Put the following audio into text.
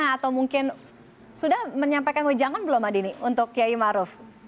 atau mungkin sudah menyampaikan ujangan belum adini untuk kiai maruf